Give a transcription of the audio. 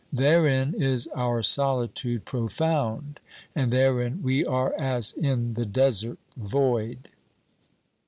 Therein is our solitude profound, and therein we are as in the desert void.